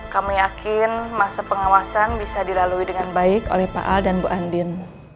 kami yakin masa pengawasan bisa dilalui dengan baik oleh pak al dan bu andin